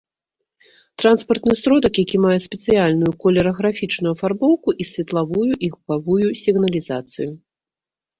Транспартны сродак, які мае спецыяльную колераграфічную афарбоўку і светлавую і гукавую сігналізацыю